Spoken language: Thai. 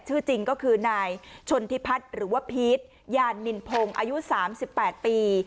ชื่อจริงก็คือนายชนทิพัฒน์หรือว่าพีชยานนินพงศ์อายุ๓๘ปี